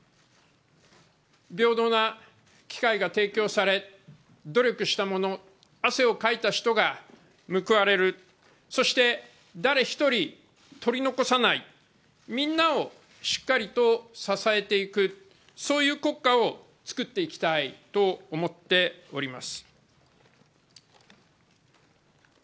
平等な機会が提供され、努力した者汗をかいた人が報われる、そして誰一人取り残さない、みんなをしっかりと支えていく、そういう国家を作っていきたいと思っております。